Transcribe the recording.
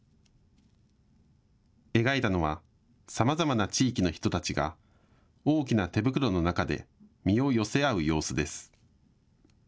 描いたのはさまざまな地域の人たちが大きな手袋の中で身を寄せ合う様子です。